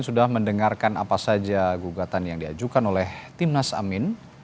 sudah mendengarkan apa saja gugatan yang diajukan oleh timnas amin